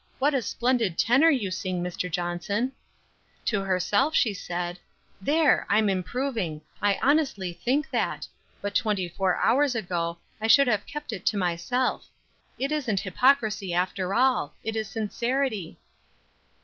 What a splendid tenor you sing, Mr. Johnson." To herself she said: "There! I'm improving; I honestly think that. But twenty four hours ago, I should have kept it to myself. It isn't hypocrisy, after all: it is sincerity."